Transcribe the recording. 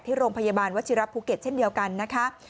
ที่โรงพยาบาลวัชิระภูเก็ตเช่นเดียวกันนะคะ